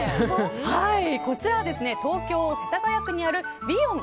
こちらは東京・世田谷区にあるヴィヨン